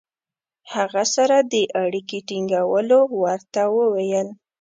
هغه سره د اړیکې ټینګولو ورته وویل.